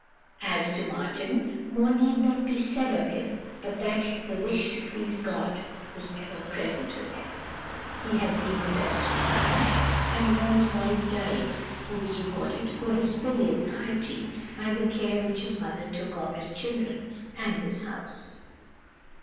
"As to Martin, more need not be said of him but that the wish to please God was ever present with him. He had been the best of sons; and, when his wife died, he was rewarded for his filial piety by the care which his mother took of his children and his house.